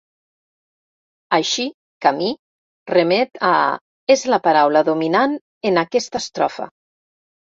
Així, "camí" remet a "és la paraula dominant en aquesta estrofa.